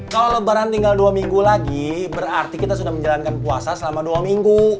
kalau lebaran tinggal dua minggu lagi berarti kita sudah menjalankan puasa selama dua minggu